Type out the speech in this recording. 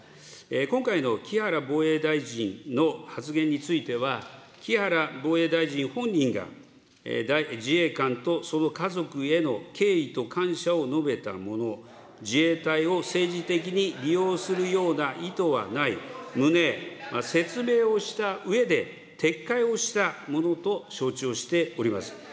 今回の木原防衛大臣の発言については、木原防衛大臣本人が自衛官とその家族への敬意と感謝を述べたもの、自衛隊を政治的に利用するような意図はない旨、説明をしたうえで撤回をしたものと承知をしております。